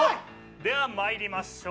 ではまいりましょう。